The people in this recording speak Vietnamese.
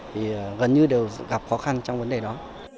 thì gần như đều gặp khó khăn trong vấn đề đó